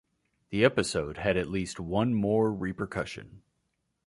The episode had at least one more repercussion.